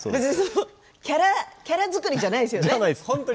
キャラ作りじゃないですよね？